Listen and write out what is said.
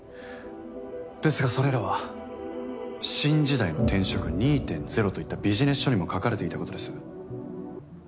ですがそれらは「新時代の転職２．０」といったビジネス書にも書かれていたことです。